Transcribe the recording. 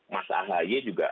mas ahy juga